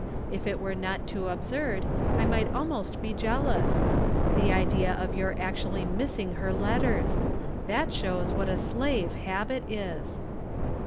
If it were not too absurd I might al most be jealous ! The idea of your actually mis sing her letters ! That shows what a slave habit is.